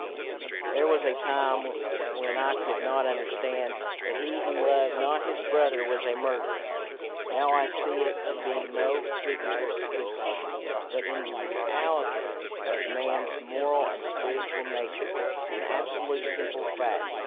There was a time when I could not understand that he who loved not his brother was a murderer: now I see it to be no figure of speech, but, in the realities of man's moral and spiritual nature, an absolute simple fact.